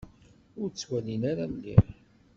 Ur ttwalin ara mliḥ.